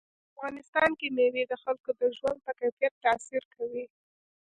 په افغانستان کې مېوې د خلکو د ژوند په کیفیت تاثیر کوي.